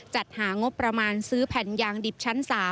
จัดหางบประมาณซื้อแผ่นยางดิบชั้น๓